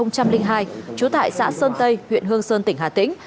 năm hai nghìn hai trú tại xã sơn tây huyện hương sơn tỉnh hà tĩnh